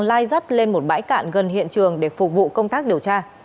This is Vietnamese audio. lai dắt lên một bãi cạn gần hiện trường để phục vụ công tác điều tra